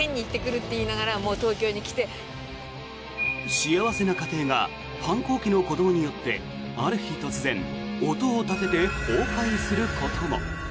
幸せな家庭が反抗期の子どもによってある日突然音を立てて崩壊することも。